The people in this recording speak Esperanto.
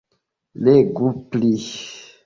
Legu pli.